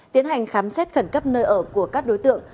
tiến hành khám xét khẩn cấp nơi ở của các đối tượng